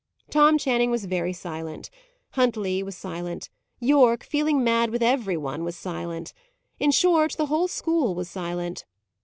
Tom Channing was very silent. Huntley was silent. Yorke, feeling mad with everyone, was silent. In short, the whole school was silent.